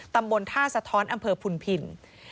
ตำบลท่าสะท้อนอำเภอภูมิพินธุ์